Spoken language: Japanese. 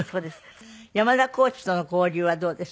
山田コーチとの交流はどうですか？